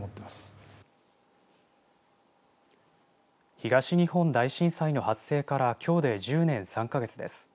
東日本大震災の発生からきょうで１０年３か月です。